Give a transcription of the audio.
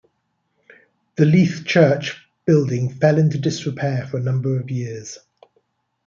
The Leith church building fell into disrepair for a number of years.